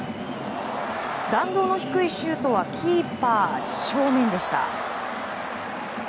弾道の低いシュートはキーパー正面でした。